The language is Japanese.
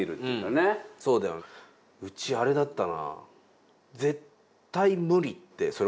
うちあれだったな。